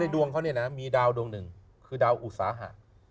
ดวงเขามีดาวดวงหนึ่งคือดาวอุตสาหะ